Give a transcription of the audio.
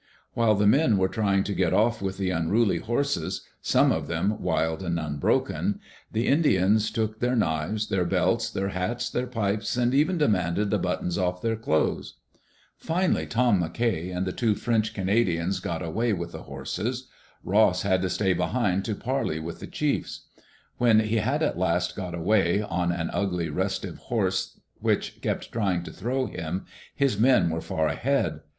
While the men were trying to get off with the unruly horses, some of them wild and unbroken, the Indians took their knives, their belts, their hats, their pipes, and even demanded the buttons off their clothes. Finally Tom McKay and the two French Canadians got away, with the horses. Ross had to stay behind to parley [8i] Digitized by CjOOQ IC EARLY DAYS IN OLD OREGON with the chiefs. When he did at last get away, on an ugly> restive horse which kept trying to throw him, his men were far ahead.